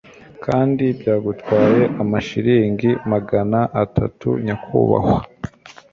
kandi byagutwaye amashiringi magana atatu, nyakubahwa